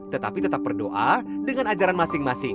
tetapi tetap berdoa dengan ajaran masing masing